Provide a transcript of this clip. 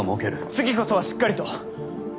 次こそはしっかりと。